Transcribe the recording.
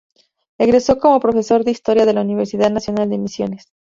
Egresó como profesor de historia de la Universidad Nacional de Misiones.